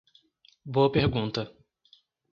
Boa pergunta